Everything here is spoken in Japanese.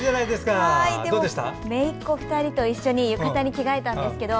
めいっ子２人と一緒に浴衣を着たんですけど。